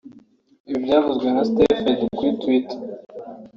ibi byavuzwe na Stepfeed kuri Twitter